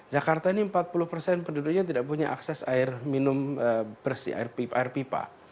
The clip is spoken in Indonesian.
jakarta ini empat puluh persen penduduknya tidak punya akses air minum bersih air pipa